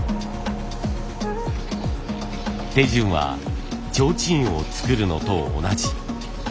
手順は提灯を作るのと同じ。